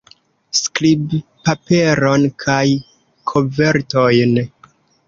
Skribpaperon kaj kovertojn.